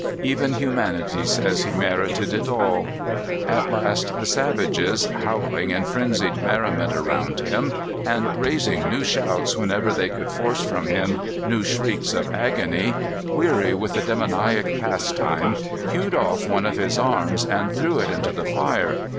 Even humanity says he merited it all. At last the savages, howling in frenzied merriment around him, and raising new shouts whenever they could force from him new shrieks of agony, weary with the demoniac pastime, hewed off one of his arms and threw it into the fire.